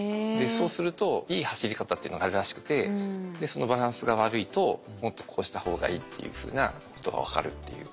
そうするといい走り方っていうのがあるらしくてそのバランスが悪いともっとこうした方がいいっていうふうなことが分かるっていう。